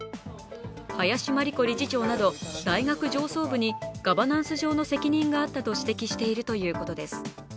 林真理子理事長など大学上層部にガバナンス上の責任があったと指摘しているということです。